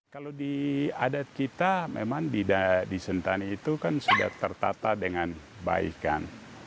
kalau di adat kita memang di sentani itu kan sudah tertata dengan baik kan